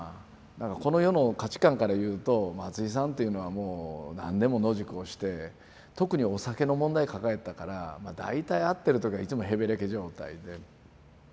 この世の価値観からいうと松井さんっていうのはもう何年も野宿をして特にお酒の問題抱えてたから大体会ってる時はいつもへべれけ状態で。